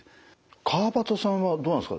川畑さんはどうなんですか？